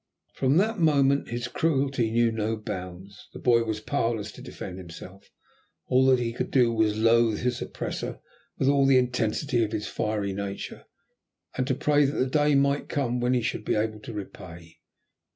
From that moment his cruelty knew no bounds. The boy was powerless to defend himself. All that he could do was to loathe his oppressor with all the intensity of his fiery nature, and to pray that the day might come when he should be able to repay.